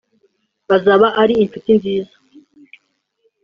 azaba ari incuti nziza